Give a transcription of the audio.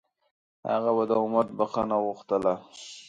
هغه به د امت بښنه غوښتله.